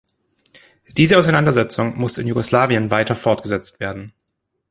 Diese Auseinandersetzung muss in Jugoslawien weiter fortgesetzt werden.